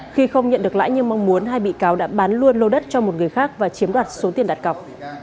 khi không nhận được lãi như mong muốn hai bị cáo đã bán luôn lô đất cho một người khác và chiếm đoạt số tiền đặt cọc